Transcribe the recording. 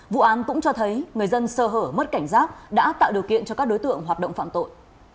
vụ án cũng cho thấy người dân sơ hở mất cảnh giác đã tạo điều kiện cho các đối tượng hoạt động phạm tội